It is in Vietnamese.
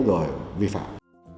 vô lực vi phạm